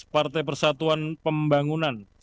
tujuh belas partai persatuan pembangunan